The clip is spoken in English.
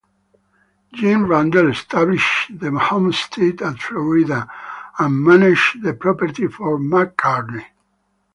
Jim Randell established the homestead at Florida and managed the property for Macartney.